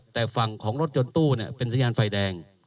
แต่ฝั่งของรถยนต์ตู้เป็นสัญญาณไฟแดง